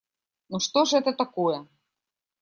Ну, что ж это такое!